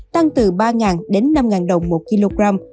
tăng từ ba năm đồng một kg